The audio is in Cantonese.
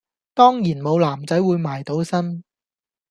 當然無男仔會埋到身